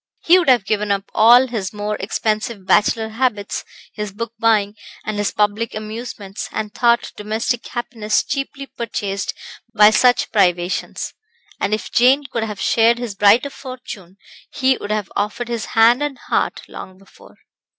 He would have given up all his more expensive bachelor habits his book buying, and his public amusements, and thought domestic happiness cheaply purchased by such privations. And if Jane could have shared his brighter fortune, he would have offered his hand and heart long before.